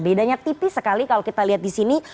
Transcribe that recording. bedanya tipis sekali kalau kita lihat di sini